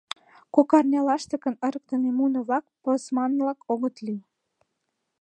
Кок арня лаштыкын ырыктыме муно-влак пысманлык огыт лий?